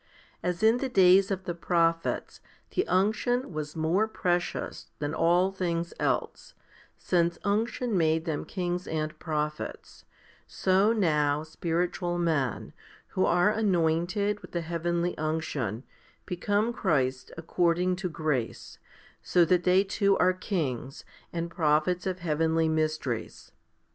As in the days of the prophets the unction was more precious than all things else, since unction made them kings and prophets, so now spiritual men, who are anointed with the heavenly unction, become Christs according to grace, so that they too are kings, and prophets of heavenly mysteries.